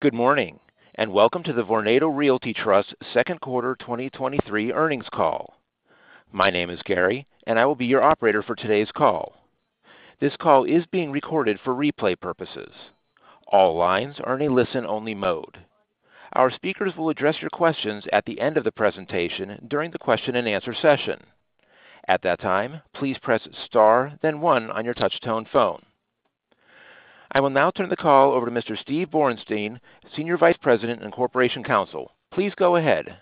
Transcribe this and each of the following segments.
Good morning, and welcome to the Vornado Realty Trust second quarter 2023 earnings call. My name is Gary, and I will be your operator for today's call. This call is being recorded for replay purposes. All lines are in a listen-only mode. Our speakers will address your questions at the end of the presentation during the question and answer session. At that time, please press Star, then one on your touchtone phone. I will now turn the call over to Mr. Steve Borenstein, Senior Vice President and Corporation Counsel. Please go ahead.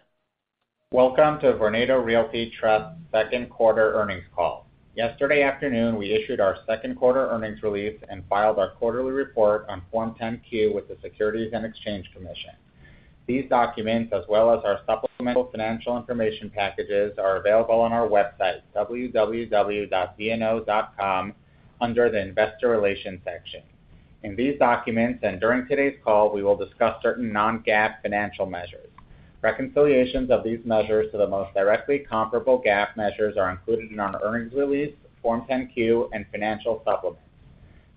Welcome to Vornado Realty Trust second quarter earnings call. Yesterday afternoon, we issued our second quarter earnings release and filed our quarterly report on Form 10-Q with the Securities and Exchange Commission. These documents, as well as our supplemental financial information packages, are available on our website, www.vno.com, under the Investor Relations section. In these documents, and during today's call, we will discuss certain non-GAAP financial measures. Reconciliations of these measures to the most directly comparable GAAP measures are included in our earnings release, Form 10-Q, and financial supplements.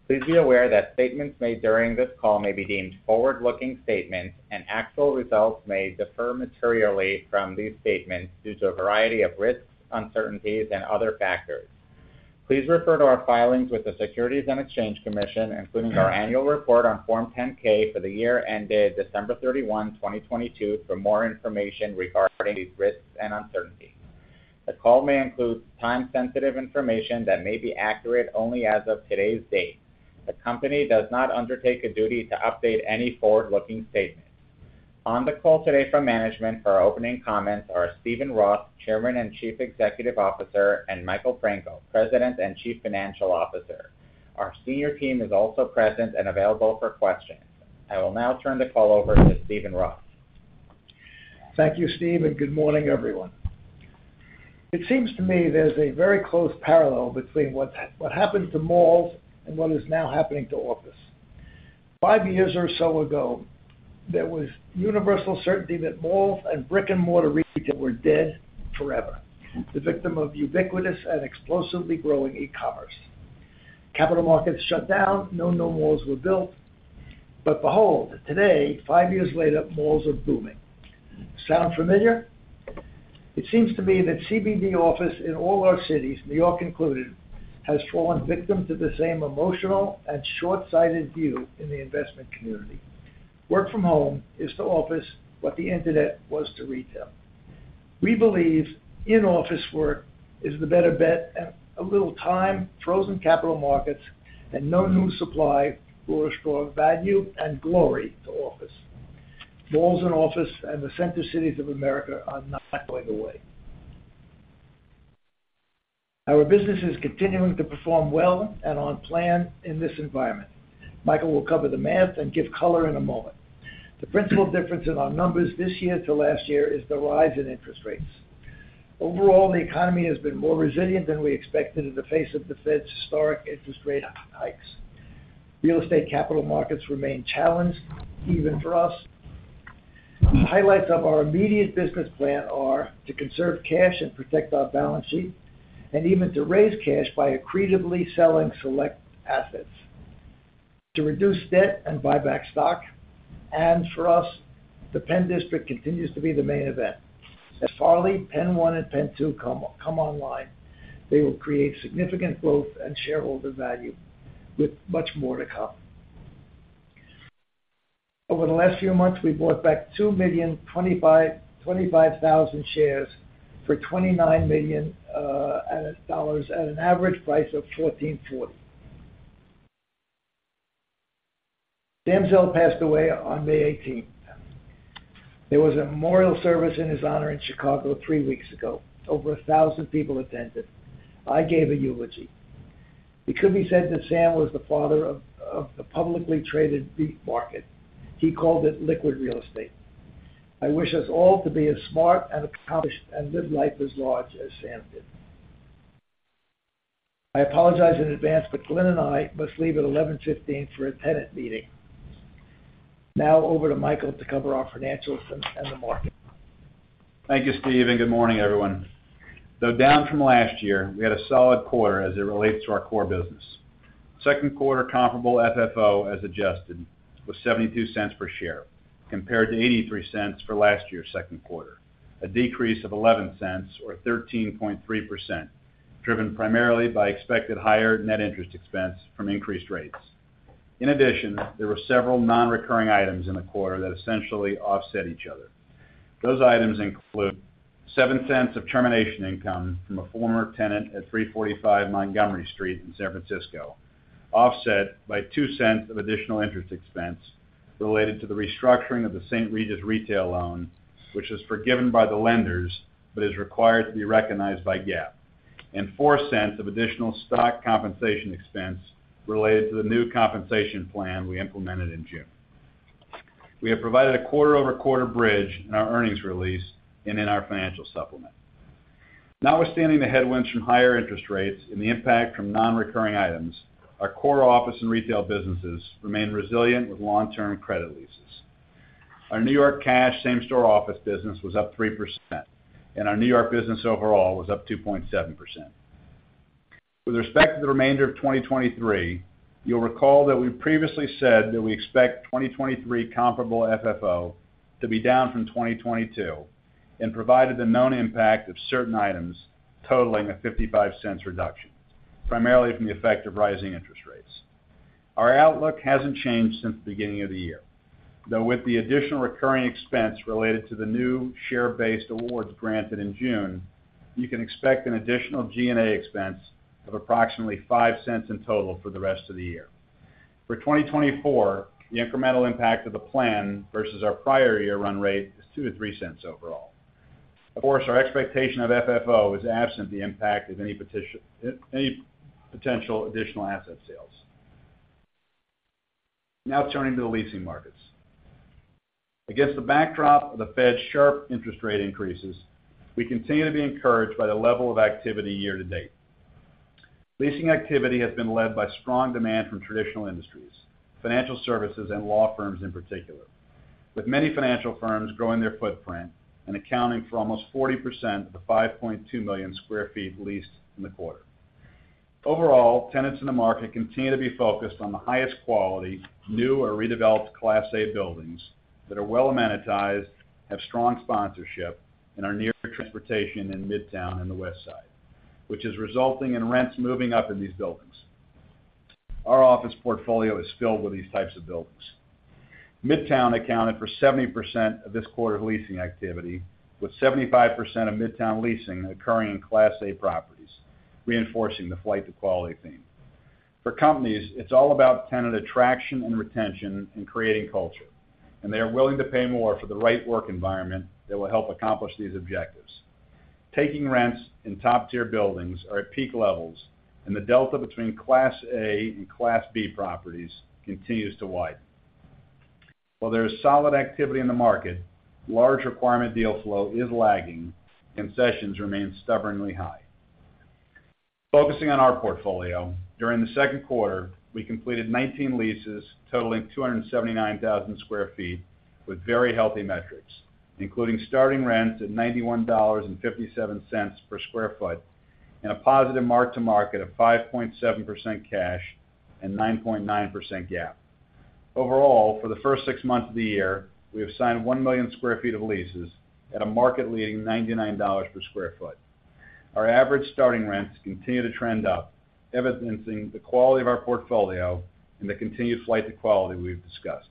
Please be aware that statements made during this call may be deemed forward-looking statements, and actual results may differ materially from these statements due to a variety of risks, uncertainties, and other factors. Please refer to our filings with the Securities and Exchange Commission, including our annual report on Form 10-K for the year ended December 31, 2022 for more information regarding these risks and uncertainties. The call may include time-sensitive information that may be accurate only as of today's date. The company does not undertake a duty to update any forward-looking statements. On the call today from management for our opening comments are Steven Roth, Chairman and Chief Executive Officer, and Michael Franco, President and Chief Financial Officer. Our senior team is also present and available for questions. I will now turn the call over to Steven Roth. Thank you, Steve. Good morning, everyone. It seems to me there's a very close parallel between what happened to malls and what is now happening to office. Five years or so ago, there was universal certainty that malls and brick-and-mortar retail were dead forever, the victim of ubiquitous and explosively growing e-commerce. Capital markets shut down. No new malls were built. Behold, today, five years later, malls are booming. Sound familiar? It seems to me that CBD office in all our cities, New York included, has fallen victim to the same emotional and short-sighted view in the investment community. Work from home is to office, what the internet was to retail. We believe in-office work is the better bet, a little time, frozen capital markets, and no new supply will restore value and glory to office. Malls and office and the center cities of America are not going away. Our business is continuing to perform well and on plan in this environment. Michael will cover the math and give color in a moment. The principal difference in our numbers this year to last year is the rise in interest rates. Overall, the economy has been more resilient than we expected in the face of the Fed's historic interest rate hikes. Real estate capital markets remain challenged, even for us. Highlights of our immediate business plan are to conserve cash and protect our balance sheet, even to raise cash by accretively selling select assets, to reduce debt and buy back stock. For us, the Penn District continues to be the main event. As Farley, Penn One, and Penn Two come, come online, they will create significant growth and shareholder value, with much more to come. Over the last few months, we bought back 2,025,000 shares for $29 million, at an average price of $14.40. Sam Zell passed away on May 18th. There was a memorial service in his honor in Chicago 3 weeks ago. Over 1,000 people attended. I gave a eulogy. It could be said that Sam was the father of the publicly traded REIT market. He called it liquid real estate. I wish us all to be as smart and accomplished and live life as large as Sam did. I apologize in advance, but Glen and I must leave at 11:15 A.M. for a tenant meeting. Now over to Michael to cover our financials and the market. Thank you, Steve Sakwa, and good morning, everyone. Though down from last year, we had a solid quarter as it relates to our core business. Second quarter comparable FFO, as adjusted, was $0.72 per share, compared to $0.83 for last year's second quarter, a decrease of $0.11 or 13.3%, driven primarily by expected higher net interest expense from increased rates. In addition, there were several non-recurring items in the quarter that essentially offset each other. Those items include $0.07 of termination income from a former tenant at 345 Montgomery Street in San Francisco, offset by $0.02 of additional interest expense related to the restructuring of the St. Regis retail loan, which is forgiven by the lenders, but is required to be recognized by GAAP, and $0.04 of additional stock compensation expense related to the new compensation plan we implemented in June. We have provided a quarter-over-quarter bridge in our earnings release and in our financial supplement. Notwithstanding the headwinds from higher interest rates and the impact from non-recurring items, our core office and retail businesses remain resilient with long-term credit leases. Our New York cash same-store office business was up 3%, and our New York business overall was up 2.7%. With respect to the remainder of 2023, you'll recall that we previously said that we expect 2023 comparable FFO to be down from 2022, and provided the known impact of certain items totaling a $0.55 reduction, primarily from the effect of rising interest rates. Our outlook hasn't changed since the beginning of the year, though, with the additional recurring expense related to the new share-based awards granted in June, you can expect an additional G&A expense of approximately $0.05 in total for the rest of the year. For 2024, the incremental impact of the plan versus our prior year run rate is $0.02-$0.03 overall. Of course, our expectation of FFO is absent the impact of any potential additional asset sales. Turning to the leasing markets. Against the backdrop of the Fed's sharp interest rate increases, we continue to be encouraged by the level of activity year to date. Leasing activity has been led by strong demand from traditional industries, financial services, and law firms in particular, with many financial firms growing their footprint and accounting for almost 40% of the 5.2 million sq ft leased in the quarter. Overall, tenants in the market continue to be focused on the highest quality, new or redeveloped Class A buildings that are well amenitized, have strong sponsorship, and are near transportation in Midtown and the West Side, which is resulting in rents moving up in these buildings. Our office portfolio is filled with these types of buildings. Midtown accounted for 70% of this quarter's leasing activity, with 75% of Midtown leasing occurring in Class A properties, reinforcing the flight to quality theme. For companies, it's all about tenant attraction and retention, and creating culture, and they are willing to pay more for the right work environment that will help accomplish these objectives. Taking rents in top-tier buildings are at peak levels, and the delta between Class A and Class B properties continues to widen. While there is solid activity in the market, large requirement deal flow is lagging, and sessions remain stubbornly high. Focusing on our portfolio, during the second quarter, we completed 19 leases totaling 279,000 sq ft, with very healthy metrics, including starting rents at $91.57 per sq ft, and a positive mark-to-market of 5.7% cash and 9.9% GAAP. Overall, for the first six months of the year, we have signed 1 million sq ft of leases at a market-leading $99 per sq ft. Our average starting rents continue to trend up, evidencing the quality of our portfolio and the continued flight to quality we've discussed.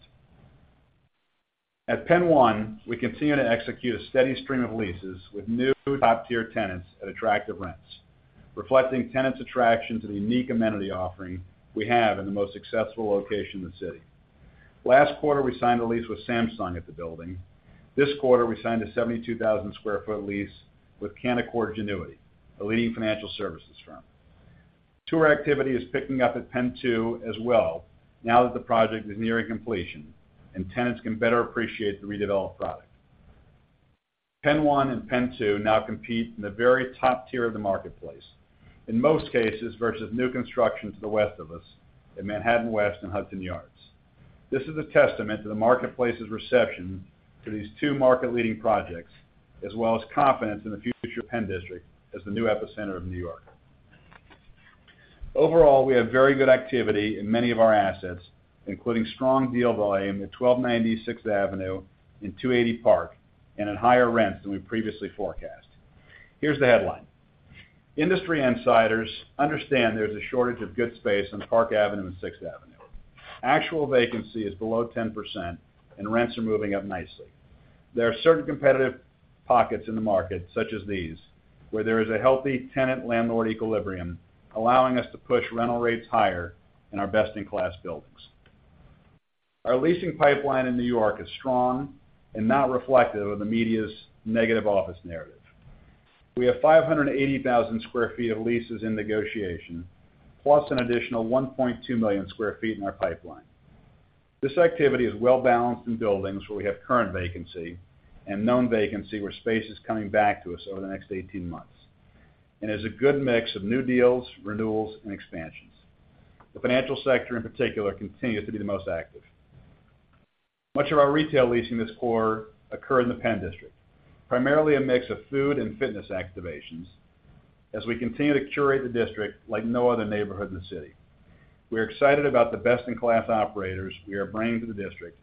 At Penn One, we continue to execute a steady stream of leases with new top-tier tenants at attractive rents, reflecting tenants' attraction to the unique amenity offering we have in the most successful location in the city. Last quarter, we signed a lease with Samsung at the building. This quarter, we signed a 72,000 sq ft lease with Canaccord Genuity, a leading financial services firm. Tour activity is picking up at Penn Two as well now that the project is nearing completion, and tenants can better appreciate the redeveloped product. Penn One and Penn Two now compete in the very top tier of the marketplace, in most cases versus new construction to the west of us in Manhattan West and Hudson Yards. This is a testament to the marketplace's reception to these two market-leading projects, as well as confidence in the future Penn District as the new epicenter of New York. Overall, we have very good activity in many of our assets, including strong deal volume at 1290 Avenue and 280 Park, and at higher rents than we previously forecast. Here's the headline: Industry insiders understand there's a shortage of good space on Park Avenue and Sixth Avenue. Actual vacancy is below 10%, and rents are moving up nicely. There are certain competitive pockets in the market, such as these, where there is a healthy tenant-landlord equilibrium, allowing us to push rental rates higher in our best-in-class buildings. Our leasing pipeline in New York is strong and not reflective of the media's negative office narrative. We have 580,000 sq ft of leases in negotiation, plus an additional 1.2 million sq ft in our pipeline. This activity is well balanced in buildings where we have current vacancy and known vacancy, where space is coming back to us over the next 18 months, and is a good mix of new deals, renewals, and expansions. The financial sector, in particular, continues to be the most active. Much of our retail leasing this quarter occur in the Penn District, primarily a mix of food and fitness activations, as we continue to curate the district like no other neighborhood in the city. We're excited about the best-in-class operators we are bringing to the district,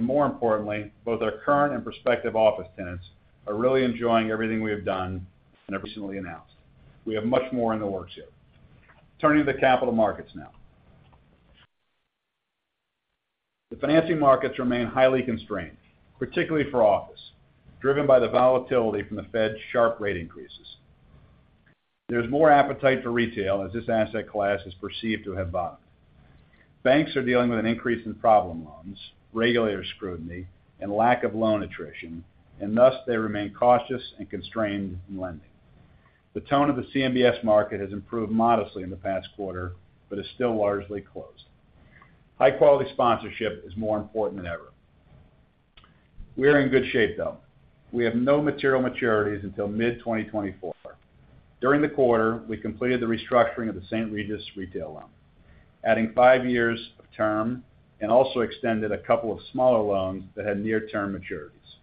more importantly, both our current and prospective office tenants are really enjoying everything we have done and have recently announced. We have much more in the works here. Turning to the capital markets now. The financing markets remain highly constrained, particularly for office, driven by the volatility from the Fed's sharp rate increases. There's more appetite for retail as this asset class is perceived to have bottomed. Banks are dealing with an increase in problem loans, regulatory scrutiny, and lack of loan attrition, and thus they remain cautious and constrained in lending. The tone of the CMBS market has improved modestly in the past quarter, is still largely closed. High-quality sponsorship is more important than ever. We are in good shape, though. We have no material maturities until mid-2024. During the quarter, we completed the restructuring of the St. Regis retail loan, adding five years of term and also extended a couple of smaller loans that had near-term maturities.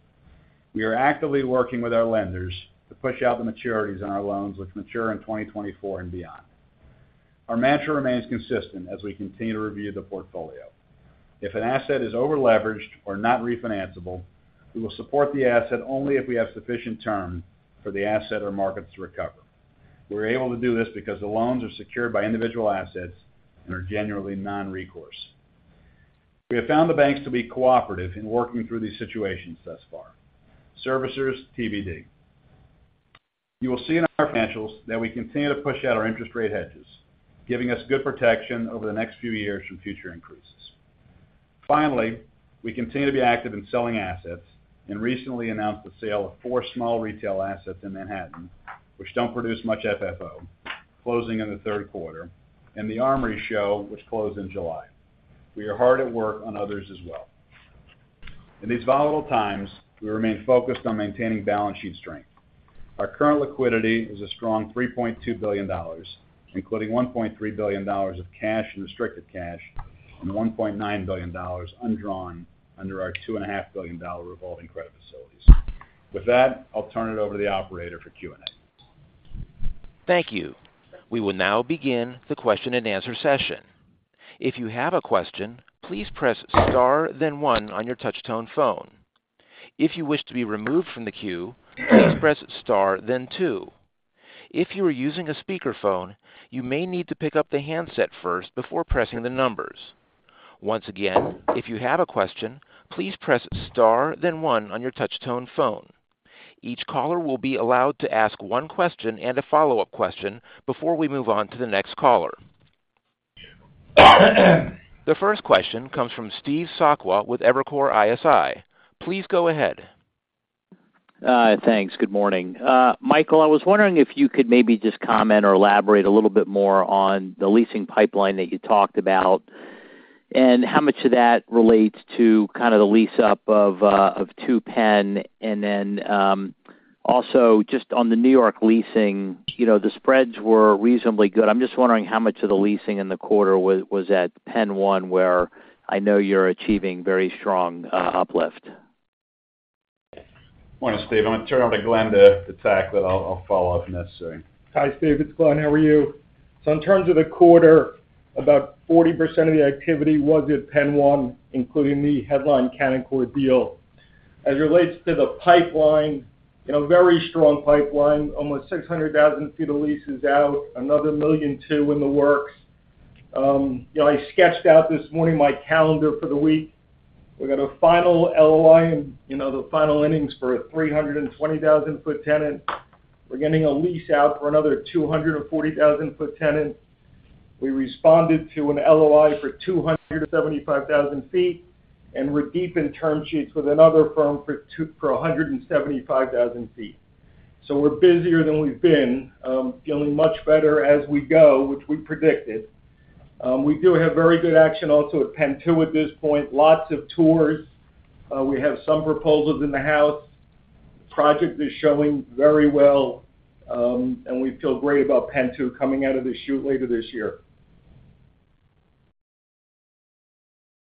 We are actively working with our lenders to push out the maturities on our loans, which mature in 2024 and beyond. Our mantra remains consistent as we continue to review the portfolio. If an asset is over-leveraged or not refinanceable, we will support the asset only if we have sufficient term for the asset or market to recover. We're able to do this because the loans are secured by individual assets and are generally non-recourse. We have found the banks to be cooperative in working through these situations thus far. Servicers, TBD. You will see in our financials that we continue to push out our interest rate hedges, giving us good protection over the next few years from future increases. We continue to be active in selling assets, and recently announced the sale of four small retail assets in Manhattan, which don't produce much FFO, closing in the third quarter, and The Armory Show, which closed in July. We are hard at work on others as well. In these volatile times, we remain focused on maintaining balance sheet strength. Our current liquidity is a strong $3.2 billion, including $1.3 billion of cash and restricted cash, and $1.9 billion undrawn under our $2.5 billion revolving credit facilities. With that, I'll turn it over to the operator for Q&A. Thank you. We will now begin the question-and-answer session. If you have a question, please press star, then one on your touch tone phone. If you wish to be removed from the queue, please press star, then two. If you are using a speakerphone, you may need to pick up the handset first before pressing the numbers. Once again, if you have a question, please press star, then one on your touch tone phone. Each caller will be allowed to ask 1 question and a follow-up question before we move on to the next caller. The first question comes from Steve Sakwa with Evercore ISI. Please go ahead. Thanks. Good morning. Michael, I was wondering if you could maybe just comment or elaborate a little bit more on the leasing pipeline that you talked about, and how much of that relates to kind of the lease-up of Penn Two. Also, just on the New York leasing, you know, the spreads were reasonably good. I'm just wondering how much of the leasing in the quarter was, was at Penn One, where I know you're achieving very strong uplift. Morning, Steve. I'm gonna turn it over to Glenn to tack, I'll, I'll follow up if necessary. Hi, Steve. It's Glenn. How are you? In terms of the quarter, about 40% of the activity was at Penn One, including the headline Canaccord deal. As it relates to the pipeline, in a very strong pipeline, almost 600,000 feet of leases out, another 1.2 million in the works. You know, I sketched out this morning my calendar for the week. We've got a final LOI, you know, the final innings for a 320,000-foot tenant. We're getting a lease out for another 240,000-foot tenant. We responded to an LOI for 275,000 feet, and we're deep in term sheets with another firm for a 175,000 feet. We're busier than we've been, feeling much better as we go, which we predicted. We do have very good action also at Penn Two at this point. Lots of tours. We have some proposals in the house. Project is showing very well, and we feel great about Penn Two coming out of the chute later this year.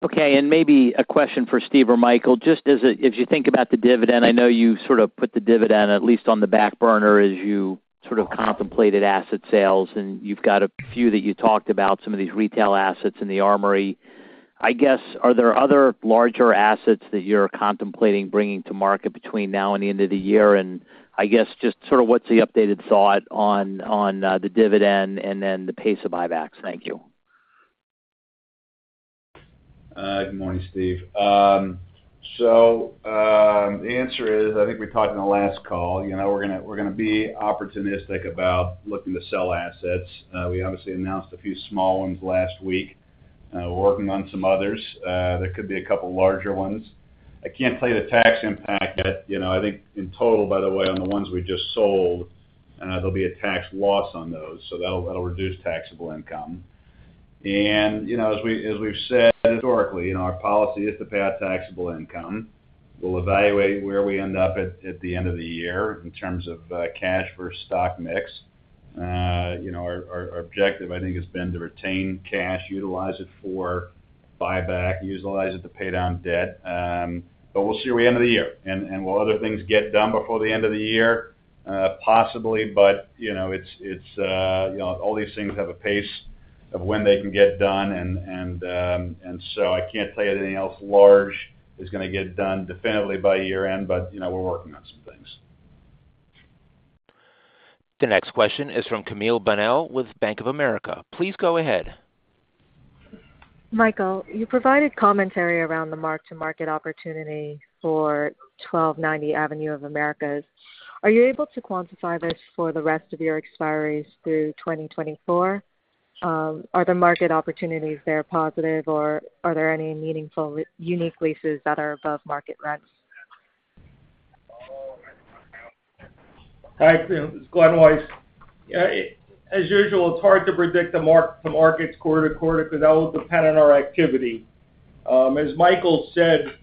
Okay, maybe a question for Steven or Michael. Just as you think about the dividend, I know you sort of put the dividend, at least on the back burner, as you sort of contemplated asset sales, and you've got a few that you talked about, some of these retail assets in the Armory. I guess, are there other larger assets that you're contemplating bringing to market between now and the end of the year? I guess, just sort of what's the updated thought on, on, the dividend and then the pace of buybacks? Thank you. Good morning, Steve. The answer is, I think we talked in the last call, you know, we're gonna, we're gonna be opportunistic about looking to sell assets. We obviously announced a few small ones last week. We're working on some others. There could be a couple larger ones. I can't play the tax impact yet. You know, I think in total, by the way, on the ones we just sold, there'll be a tax loss on those, so that'll, that'll reduce taxable income. You know, as we-- as we've said historically, you know, our policy is to pay out taxable income. We'll evaluate where we end up at, at the end of the year in terms of, cash versus stock mix. You know, our, our, our objective, I think, has been to retain cash, utilize it for buyback, utilize it to pay down debt. We'll see where we end of the year. Will other things get done before the end of the year? Possibly, but, you know, it's, it's, you know, all these things have a pace of when they can get done. I can't tell you anything else large is gonna get done definitively by year-end, but, you know, we're working on some things. The next question is from Camille Bonnel with Bank of America. Please go ahead. Michael, you provided commentary around the mark-to-market opportunity for 1290 Avenue of the Americas. Are you able to quantify this for the rest of your expiries through 2024? Are the market opportunities there positive, or are there any meaningful unique leases that are above market rents? Hi, Camille Bonnel, this is Glen Weiss. As usual, it's hard to predict the mark-to-market quarter to quarter, because that will depend on our activity. As Michael said,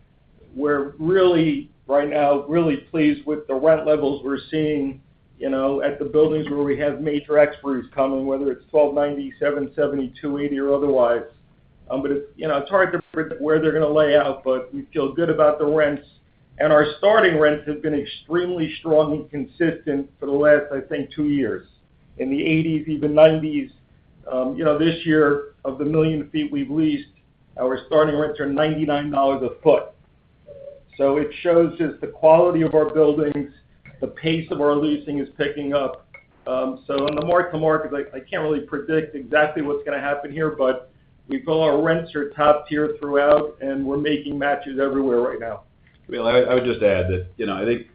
we're really, right now, really pleased with the rent levels we're seeing, you know, at the buildings where we have major experts coming, whether it's 1290, 770 Broadway, 280, or otherwise. It's, you know, it's hard to predict where they're going to lay out, but we feel good about the rents. Our starting rents have been extremely strong and consistent for the last, I think, 2 years. In the $80s, even $90s, you know, this year, of the 1 million feet we've leased, our starting rents are $99 a foot. It shows just the quality of our buildings, the pace of our leasing is picking up. On the mark-to-market, I, I can't really predict exactly what's going to happen here, but we feel our rents are top tier throughout, and we're making matches everywhere right now. Well, I, I would just add that, you know, I think,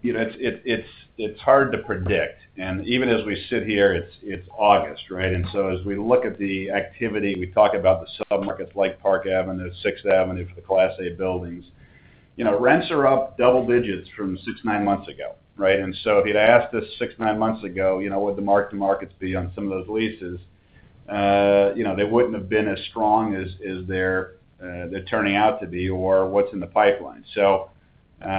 you know, it's, it's, it's hard to predict, and even as we sit here, it's, it's August, right? As we look at the activity, we talk about the submarkets like Park Avenue, Sixth Avenue for the Class A buildings. You know, rents are up double digits from six to nine months ago, right? If you'd asked us six, nine months ago, you know, what the mark-to-markets be on some of those leases, you know, they wouldn't have been as strong as, as they're, they're turning out to be or what's in the pipeline. You know,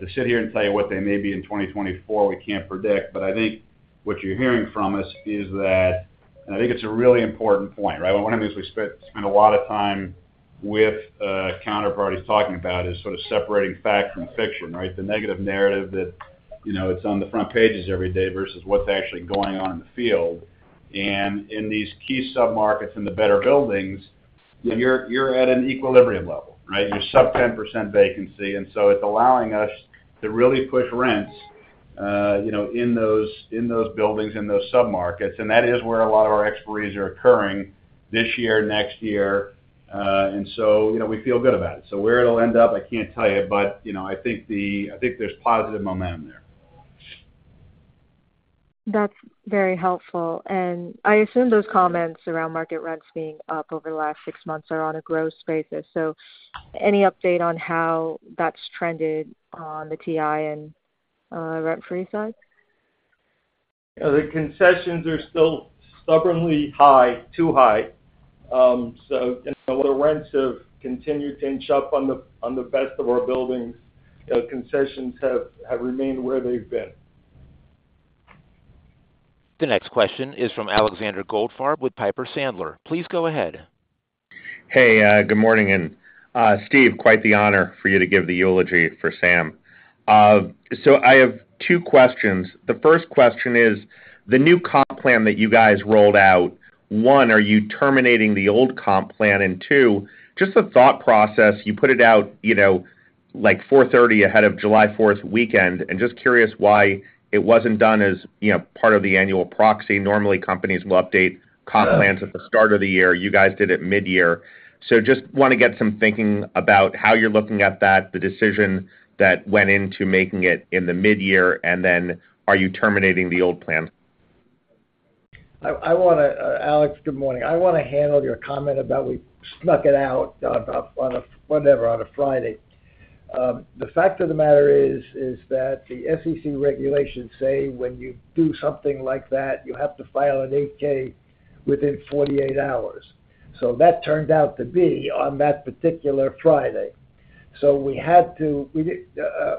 to sit here and tell you what they may be in 2024, we can't predict. I think what you're hearing from us is that, and I think it's a really important point, right? One of the things we spent, spend a lot of time with counterparties talking about is sort of separating fact from fiction, right? The negative narrative that, you know, it's on the front pages every day versus what's actually going on in the field. In these key submarkets in the better buildings, you're, you're at an equilibrium level, right? You're sub 10% vacancy, and so it's allowing us to really push rents, you know, in those, in those buildings, in those submarkets. That is where a lot of our expiries are occurring this year, next year, and so, you know, we feel good about it. Where it'll end up, I can't tell you, but, you know, I think the I think there's positive momentum there. That's very helpful. I assume those comments around market rents being up over the last 6 months are on a gross basis. Any update on how that's trended on the TI and rent-free side? The concessions are still stubbornly high, too high. You know, the rents have continued to inch up on the, on the best of our buildings. The concessions have, have remained where they've been. The next question is from Alexander Goldfarb with Piper Sandler. Please go ahead. Hey, good morning. Steve, quite the honor for you to give the eulogy for Sam. I have two questions. The first question is, the new comp plan that you guys rolled out, one, are you terminating the old comp plan? Two, just the thought process, you put it out, you know, like 4:30 ahead of July Fourth weekend, and just curious why it wasn't done as, you know, part of the annual proxy. Normally, companies will update comp plans at the start of the year. You guys did it mid-year. Just want to get some thinking about how you're looking at that, the decision that went into making it in the mid-year, and then are you terminating the old plan? I, I want to, Alex, good morning. I want to handle your comment about we snuck it out on a, on a, whatever, on a Friday. The fact of the matter is, is that the SEC regulations say when you do something like that, you have to file an 8-K within 48 hours. That turned out to be on that particular Friday. We had to, we did,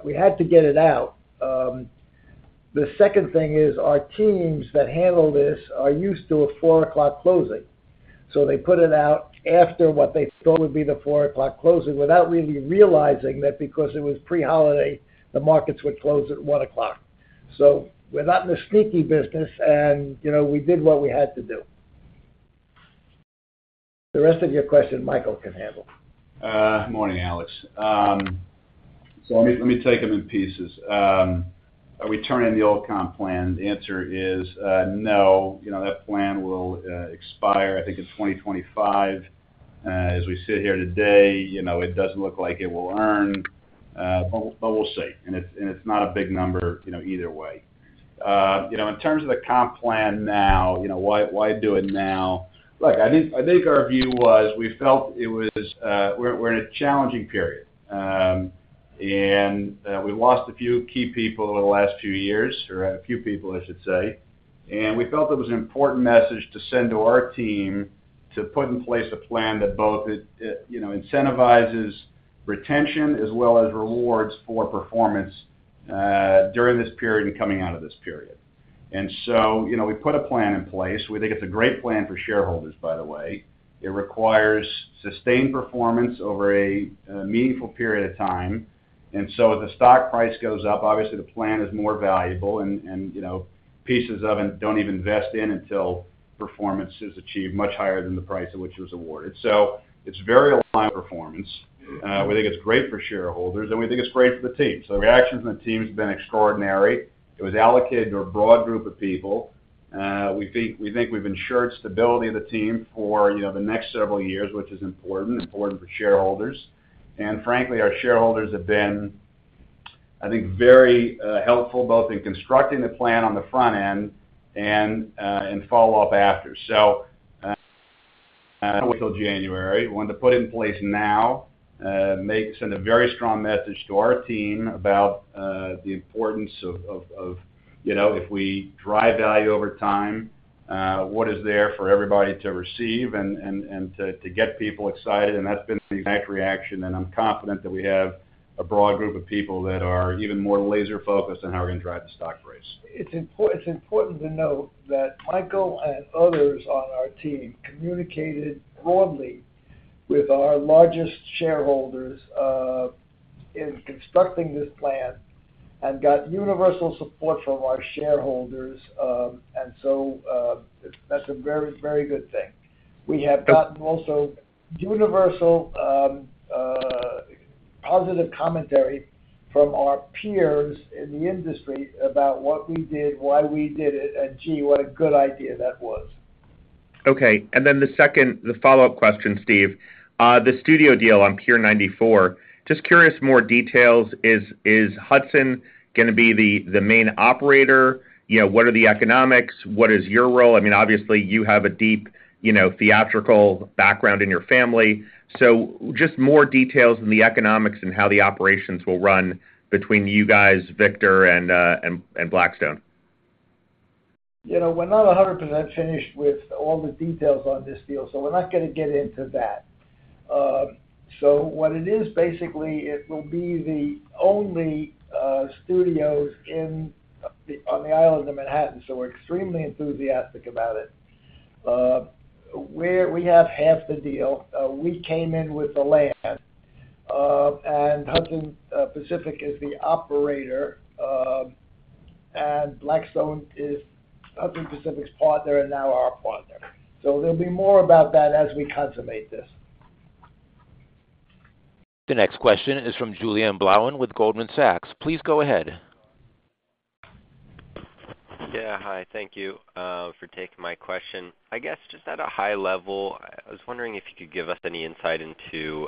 we had to get it out. The second thing is, our teams that handle this are used to a 4:00 o'clock closing. They put it out after what they thought would be the 4:00 o'clock closing, without really realizing that because it was pre-holiday, the markets would close at 1:00 o'clock. We're not in the sneaky business, and, you know, we did what we had to do. The rest of your question, Michael can handle. Good morning, Alex. Let me, let me take them in pieces. Are we turning the old comp plan? The answer is, no. You know, that plan will expire, I think, in 2025. As we sit here today, you know, it doesn't look like it will earn, but, but we'll see. It's, and it's not a big number, you know, either way. You know, in terms of the comp plan now, you know, why, why do it now? Look, I think, I think our view was we felt it was, we're, we're in a challenging period. We lost a few key people over the last few years, or a few people, I should say. We felt it was an important message to send to our team to put in place a plan that both, you know, incentivizes retention as well as rewards for performance during this period and coming out of this period. You know, we put a plan in place. We think it's a great plan for shareholders, by the way. It requires sustained performance over a meaningful period of time. If the stock price goes up, obviously the plan is more valuable and, and, you know, pieces of it don't even vest in until performance is achieved much higher than the price at which it was awarded. It's very aligned performance. We think it's great for shareholders, and we think it's great for the team. The reactions from the team has been extraordinary. It was allocated to a broad group of people. We think, we think we've ensured stability of the team for, you know, the next several years, which is important, important for shareholders. Frankly, our shareholders have been, I think, very helpful, both in constructing the plan on the front end and follow up after. So, until January, we want to put in place now, send a very strong message to our team about the importance of, of, of, you know, if we drive value over time, what is there for everybody to receive and, and, and to, to get people excited. That's been the exact reaction, and I'm confident that we have a broad group of people that are even more laser-focused on how we're going to drive the stock price. It's important to note that Michael and others on our team communicated broadly with our largest shareholders in constructing this plan and got universal support from our shareholders. So that's a very, very good thing. We have gotten also universal positive commentary from our peers in the industry about what we did, why we did it, and gee, what a good idea that was. Okay, the second, the follow-up question, Steve. The studio deal on Pier 94, just curious, more details? Is, is Hudson gonna be the, the main operator? You know, what are the economics? What is your role? I mean, obviously, you have a deep, you know, theatrical background in your family. Just more details on the economics and how the operations will run between you guys, Victor, and, and Blackstone? You know, we're not 100% finished with all the details on this deal, so we're not gonna get into that. What it is, basically, it will be the only studios in, on the island of Manhattan, so we're extremely enthusiastic about it. We have half the deal. We came in with the land, and Hudson Pacific is the operator, and Blackstone is Hudson Pacific's partner and now our partner. There'll be more about that as we consummate this. The next question is from Julien Blouin with Goldman Sachs. Please go ahead. Yeah, hi. Thank you for taking my question. I guess, just at a high level, I was wondering if you could give us any insight into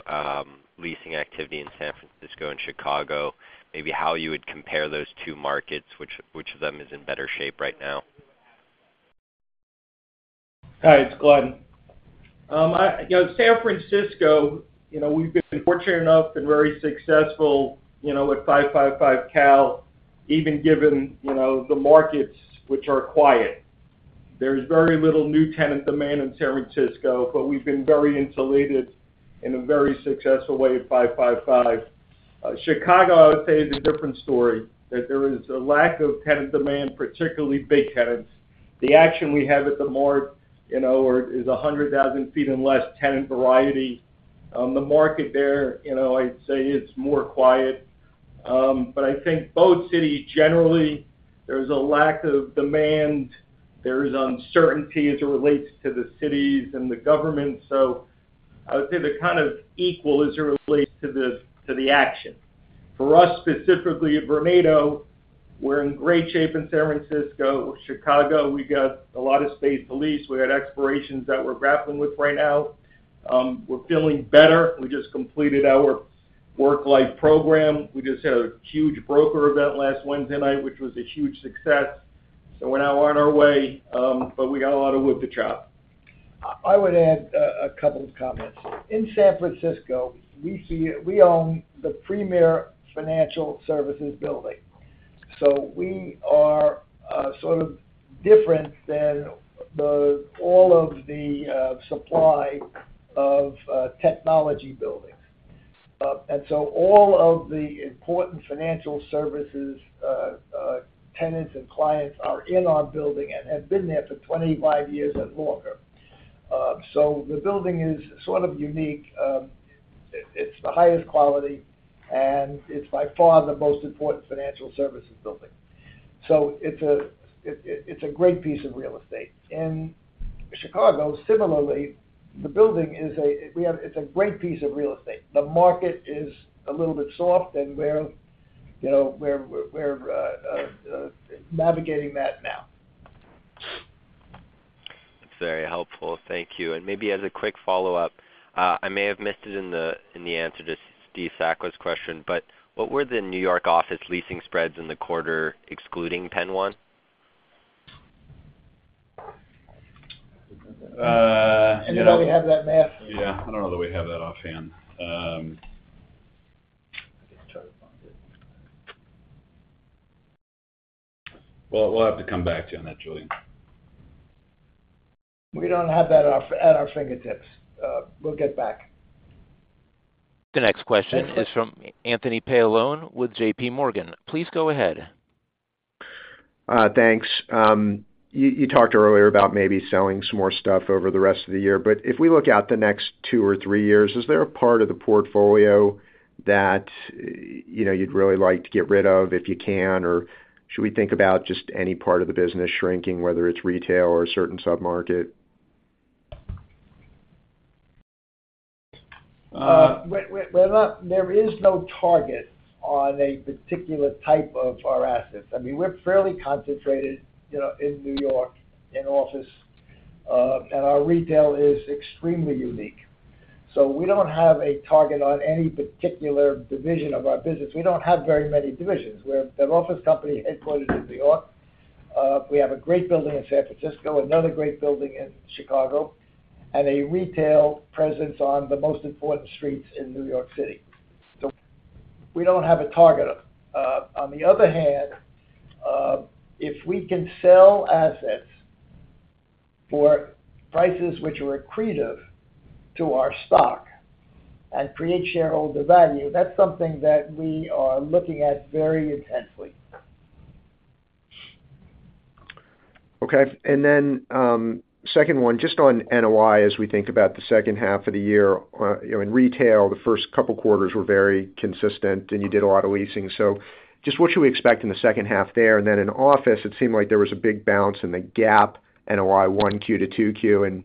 leasing activity in San Francisco and Chicago. Maybe how you would compare those two markets, which, which of them is in better shape right now? Hi, it's Glenn. You know, San Francisco, you know, we've been fortunate enough and very successful, you know, with 555 Cal, even given, you know, the markets, which are quiet. There's very little new tenant demand in San Francisco, but we've been very insulated in a very successful way at 555. Chicago, I would say, is a different story, that there is a lack of tenant demand, particularly big tenants. The action we have at the Mart, you know, or is 100,000 sq ft and less tenant variety. The market there, you know, I'd say it's more quiet, but I think both cities, generally, there's a lack of demand. There's uncertainty as it relates to the cities and the government. I would say they're kind of equal as it relates to the, to the action. For us, specifically at Vornado, we're in great shape in San Francisco. Chicago, we got a lot of state police. We had expirations that we're grappling with right now. We're feeling better. We just completed our work-life program. We just had a huge broker event last Wednesday night, which was a huge success. We're now on our way. We got a lot of wood to chop. I, I would add a couple of comments. In San Francisco, we own the premier financial services building, so we are sort of different than all of the supply of technology buildings. All of the important financial services tenants and clients are in our building and have been there for 25 years and longer. The building is sort of unique. It's the highest quality, and it's by far the most important financial services building. It's a great piece of real estate. In Chicago, similarly, the building is a great piece of real estate. The market is a little bit soft, and we're, you know, we're, we're navigating that now. That's very helpful. Thank you. Maybe as a quick follow-up, I may have missed it in the, in the answer to Steve Sakwa's question, but what were the New York office leasing spreads in the quarter, excluding Penn One? Uh- Anybody have that, Matt? Yeah, I don't know that we have that offhand. Let me try to find it. Well, we'll have to come back to you on that, Julien. We don't have that at our, at our fingertips. We'll get back. The next question is from Anthony Paolone with JPMorgan. Please go ahead. Thanks. You, you talked earlier about maybe selling some more stuff over the rest of the year, but if we look out the next two or three years, is there a part of the portfolio that, you know, you'd really like to get rid of, if you can? Should we think about just any part of the business shrinking, whether it's retail or a certain submarket? We're not. There is no target on a particular type of our assets. I mean, we're fairly concentrated, you know, in New York, in office, and our retail is extremely unique. We don't have a target on any particular division of our business. We don't have very many divisions. We're an office company headquartered in New York. We have a great building in San Francisco, another great building in Chicago, and a retail presence on the most important streets in New York City. We don't have a target. On the other hand, if we can sell assets for prices which are accretive to our stock and create shareholder value, that's something that we are looking at very intensely. Okay, second one, just on NOI, as we think about the second half of the year. You know, in retail, the first couple quarters were very consistent, and you did a lot of leasing. Just what should we expect in the second half there? In office, it seemed like there was a big bounce in the gap, NOI 1Q to 2Q.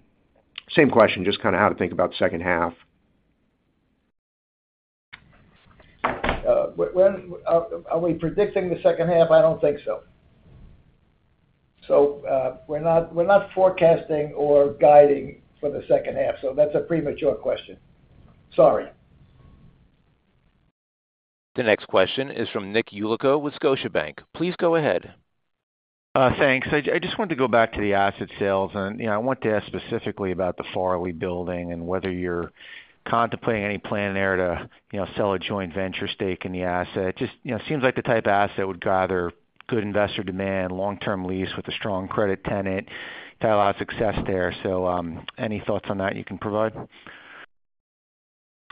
Same question, just kinda how to think about second half. When are we predicting the second half? I don't think so. We're not, we're not forecasting or guiding for the second half, so that's a premature question. Sorry. The next question is from Nick Yulico with Scotiabank. Please go ahead. Thanks. I just wanted to go back to the asset sales, and, you know, I want to ask specifically about the Farley building and whether you're contemplating any plan there to, you know, sell a joint venture stake in the asset. Just, you know, seems like the type of asset that would gather good investor demand, long-term lease with a strong credit tenant. You've had a lot of success there, so any thoughts on that you can provide?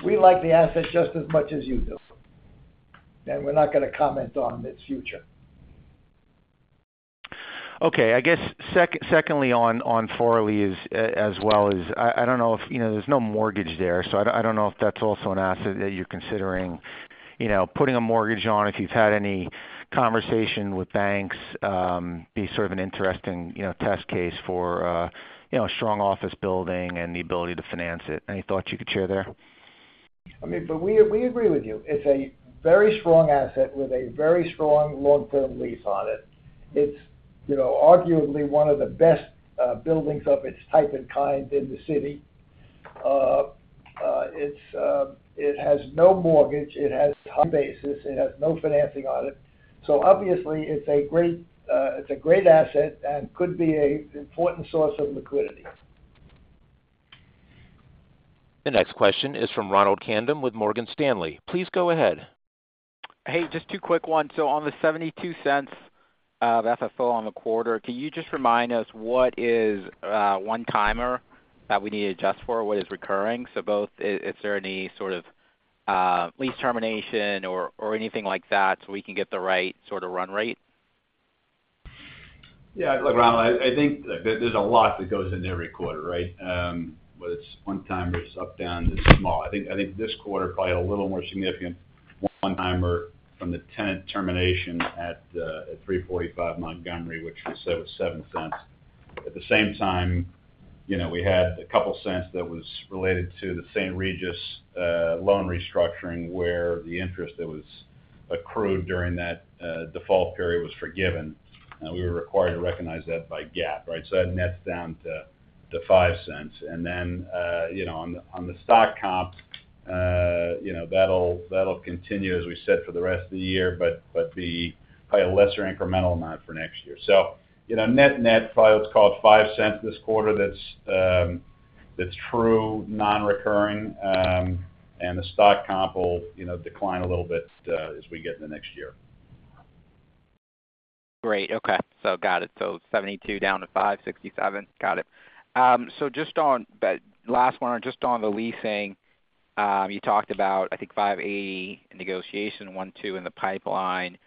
We like the asset just as much as you do, and we're not gonna comment on its future. Okay, I guess secondly, on, on Farley is, as well, is I, I don't know if. You know, there's no mortgage there, so I don't, I don't know if that's also an asset that you're considering, you know, putting a mortgage on. If you've had any conversation with banks, be sort of an interesting, you know, test case for, you know, a strong office building and the ability to finance it. Any thoughts you could share there? I mean, we, we agree with you. It's a very strong asset with a very strong long-term lease on it. It's, you know, arguably one of the best buildings of its type and kind in the city. It's, it has no mortgage, it has high basis, it has no financing on it. Obviously, it's a great, it's a great asset and could be a important source of liquidity. The next question is from Ronald Kamdem with Morgan Stanley. Please go ahead. Hey, just two quick ones. On the $0.72 of FFO on the quarter, can you just remind us what is a one-timer that we need to adjust for? What is recurring? Both, is there any sort of lease termination or, or anything like that, so we can get the right sort of run rate? Yeah, look, Ronald, I, I think there's a lot that goes into every quarter, right? Whether it's one-timers, up, down, it's small. I think, I think this quarter, probably a little more significant one-timer from the tenant termination at 345 Montgomery, which we said was $0.07. At the same time, you know, we had $0.02 that was related to the St. Regis loan restructuring, where the interest that was accrued during that default period was forgiven, and we were required to recognize that by GAAP, right? That nets down to $0.05. Then, you know, on the, on the stock comp, you know, that'll, that'll continue, as we said, for the rest of the year, but, but be probably a lesser incremental amount for next year. you know, net-net, probably what's called $0.05 this quarter, that's, that's true, non-recurring, and the stock comp will, you know, decline a little bit, as we get in the next year. Great. Okay, got it. 72 down to 567. Got it. Last one, just on the leasing, you talked about, I think, 5 AE in negotiation, 1, 2 in the pipeline.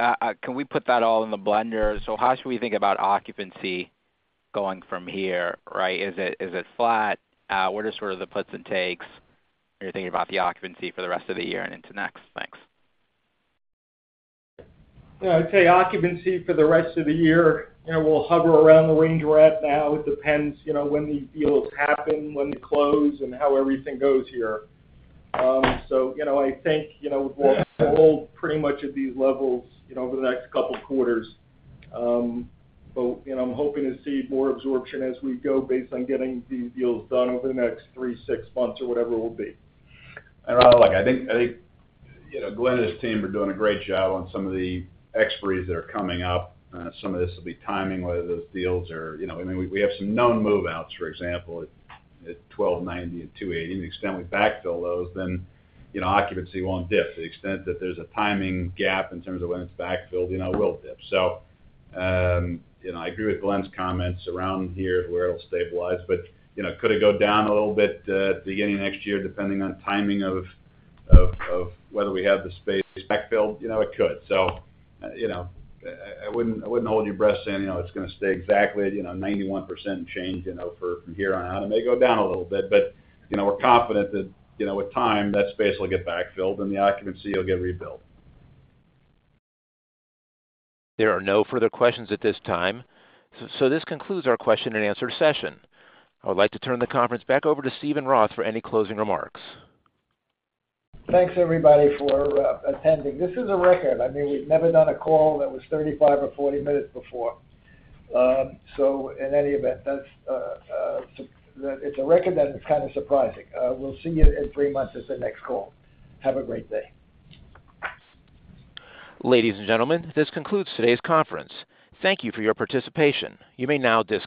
Can we put that all in the blender? How should we think about occupancy going from here, right? Is it, is it flat? What are sort of the puts and takes, you're thinking about the occupancy for the rest of the year and into next? Thanks. Yeah, I'd say occupancy for the rest of the year, you know, we'll hover around the range we're at now. It depends, you know, when the deals happen, when they close, and how everything goes here. I think, you know, we'll, we'll hold pretty much at these levels, you know, over the next couple quarters. I'm hoping to see more absorption as we go, based on getting these deals done over the next three, six months or whatever it will be. Ronald, look, I think, I think, you know, Glen and his team are doing a great job on some of the expiries that are coming up. Some of this will be timing, whether those deals are... You know, I mean, we have some known move-outs, for example, at 1290 and 280. The extent we backfill those, then, you know, occupancy won't dip. To the extent that there's a timing gap in terms of when it's backfilled, you know, it will dip. You know, I agree with Glen's comments around here, where it'll stabilize, but, you know, could it go down a little bit, beginning of next year, depending on timing of, of, of whether we have the space backfilled? You know, it could. You know, I, I wouldn't, wouldn't hold your breath saying, you know, it's gonna stay exactly, you know, 91% and change, you know, for from here on out. It may go down a little bit, but, you know, we're confident that, you know, with time, that space will get backfilled, and the occupancy will get rebuilt. There are no further questions at this time. This concludes our question and answer session. I would like to turn the conference back over to Steven Roth for any closing remarks. Thanks, everybody, for, attending. This is a record. I mean, we've never done a call that was 35 or 40 minutes before. In any event, that's, it's a record, and it's kind of surprising. We'll see you in 3 months as the next call. Have a great day. Ladies and gentlemen, this concludes today's conference. Thank you for your participation. You may now disconnect.